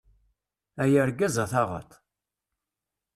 Ay argaz, a taɣaṭ!